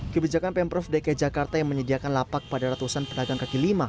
kebijakan pemprov dki jakarta yang menyediakan lapak pada ratusan pedagang kaki lima